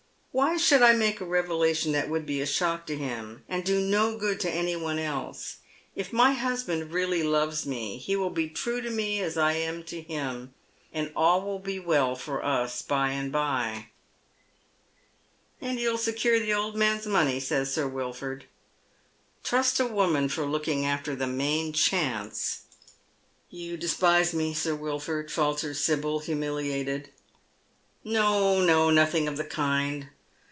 " Why should I make a revelation that would be a shock to him, and do no good to any one else ? If my husband really loves me he will be true to me as I am to him, and all will be well for us by and bye." " And you'll secure the old man's money," says Sir Wilford. " Trust a woman for looking after the main chance." " You despise me. Sir Wilford," falters Sibyl, humiliated. *' No, no ; nothing of the kind.